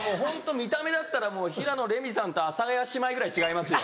見た目だったら平野レミさんと阿佐ヶ谷姉妹ぐらい違いますよ。